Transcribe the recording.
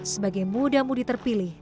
sebagai muda mudi terpilih